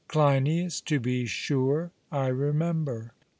CLEINIAS: To be sure, I remember.